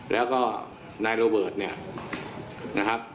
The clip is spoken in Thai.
แล้วก็นายโรเบิร์ตเนี่ยนะครับ